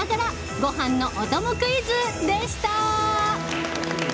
ごはんのお供クイズでした。